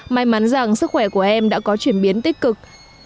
may mắn rằng sức khỏe của em đã có chuyển biến tích cực